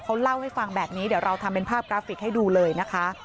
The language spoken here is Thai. เขาเล่าให้ฟังแบบนี้เดี๋ยวเราทำเป็นภาพกราฟิกให้ดูเลยนะคะ